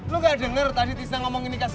lu gak dengar tadi tis'an ngomongin ini ke isu